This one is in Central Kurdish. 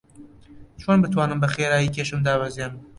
چۆن بتوانم بەخێرایی کێشم داببەزێنم؟